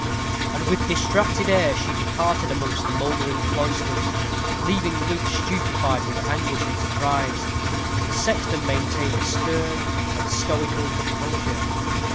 And with distracted air she darted amongst the mouldering cloisters, leaving Luke stupefied with anguish and surprise. The sexton maintained a stern and stoical composure.